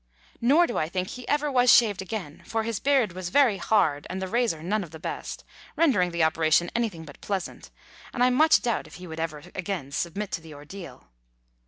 Nor do I think he ever was. shaved again, for his beard was very hard and the razor none of the best, rendering the operation anything but pleasant, and I Letters from Victorian Pioneers. 17 much doubt if he would ever again submit to the ordeal.